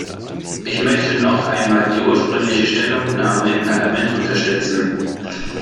Ich möchte noch einmal die ursprüngliche Stellungnahme im Parlament unterstützen.